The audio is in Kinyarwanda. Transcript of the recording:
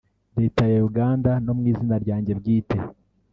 Leta ya Uganda no mu izina ryanjye bwite